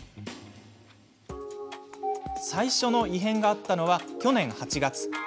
最初の異変があったのは去年８月。